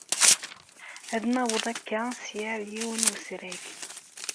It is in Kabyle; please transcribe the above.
Ad naweḍ akka sya ar yiwen wesrag.